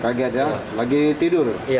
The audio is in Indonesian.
kaget ya lagi tidur